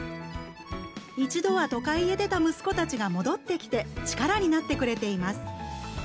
一度は都会へ出た息子たちが戻ってきて力になってくれています。